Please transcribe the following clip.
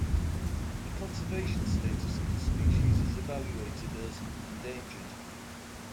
The conservation status of the species is evaluated as endangered.